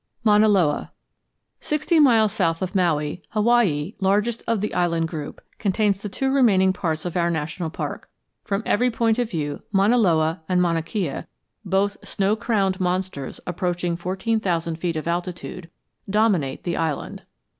MAUNA LOA Sixty miles south of Maui, Hawaii, largest of the island group, contains the two remaining parts of our national park. From every point of view Mauna Loa and Mauna Kea, both snow crowned monsters approaching fourteen thousand feet of altitude, dominate the island.